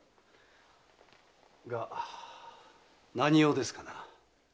が何用ですかな？